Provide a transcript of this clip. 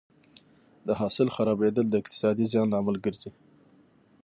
د حاصل خرابېدل د اقتصادي زیان لامل ګرځي.